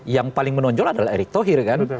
yang paling menonjol adalah erick thohir kan